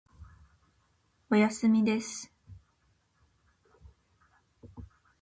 おやすみです。